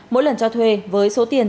mỗi lần cho thuê với số tiền